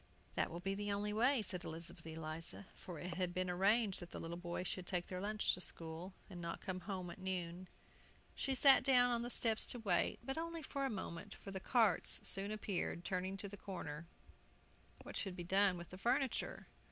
"That will be the only way," said Elizabeth Eliza; for it had been arranged that the little boys should take their lunch to school, and not come home at noon. She sat down on the steps to wait, but only for a moment, for the carts soon appeared, turning the corner. What should be done with the furniture?